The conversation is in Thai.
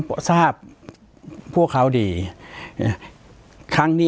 ปากกับภาคภูมิ